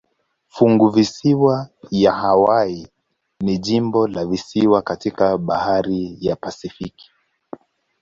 Funguvisiwa ya Hawaii ni jimbo la visiwani katika bahari ya Pasifiki.